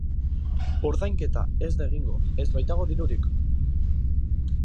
Ordainketa ez da egingo, ez baitago dirurik.